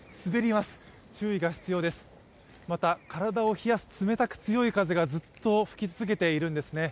また、体を冷やす冷たく強い風がずっと吹き続けているんですね。